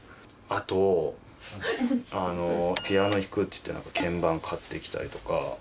ピアノ弾くって言って鍵盤買ってきたりとか。